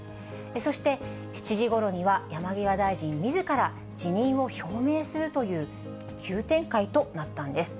そして、７時ごろには山際大臣みずから、辞任を表明するという急展開となったんです。